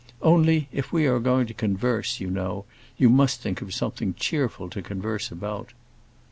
"Only, if we are going to converse, you know, you must think of something cheerful to converse about."